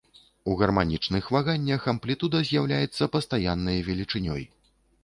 У гарманічных ваганнях амплітуда з'яўляецца пастаяннай велічынёй.